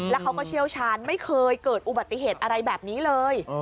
แล้วเขาก็เชี่ยวชาญไม่เคยเกิดอุบัติเหตุอะไรแบบนี้เลย